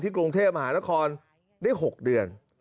กรุงเทพมหานครได้๖เดือน